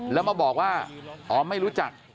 แล้วมาบอกว่าอ๋อไม่รู้จัก